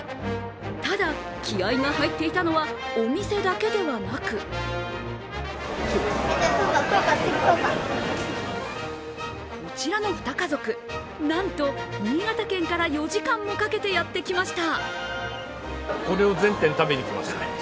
ただ、気合いが入っていたのはお店だけではなくこちらの２家族、なんと新潟県から４時間もかけてやってきました。